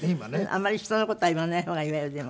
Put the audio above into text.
あんまり人の事は言わない方がいいわよでも。